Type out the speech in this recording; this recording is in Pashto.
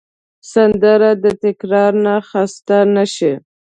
سندره د تکرار نه خسته نه شي